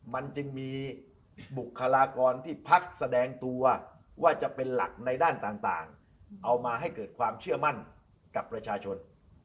มันจึงมีบุคลากรที่พักแสดงตัวว่าจะเป็นหลักในด้านต่างเอามาให้เกิดความเชื่อมั่นกับประชาชน